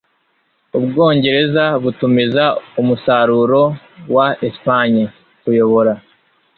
Ubwongereza butumiza umusaruro wa Espagne (_kuyobora)